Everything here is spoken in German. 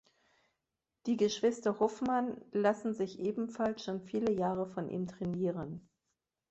Die Geschwister Hofmann lassen sich ebenfalls schon viele Jahre von ihm trainieren.